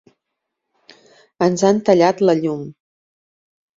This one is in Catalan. Ens han tallat la llum.